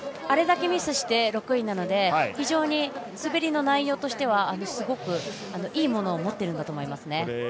あれだけミスして６位なので非常に滑りの内容としてはすごくいいものを持っていると思いますね。